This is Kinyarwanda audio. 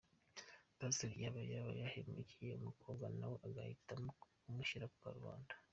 Pasiteri yaba yaba hemukiye umukobwa nawe agahitamo kumushyira ku karubanda